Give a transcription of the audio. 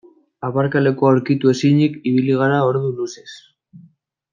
Aparkalekua aurkitu ezinik ibili gara ordu luzez.